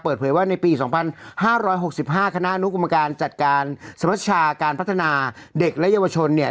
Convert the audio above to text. เปิดเผยว่าในปี๒๕๖๕คณะอนุกรรมการจัดการสมชาการพัฒนาเด็กและเยาวชนเนี่ย